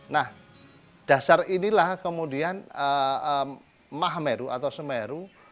nah dasar inilah kemudian maha meru atau semeru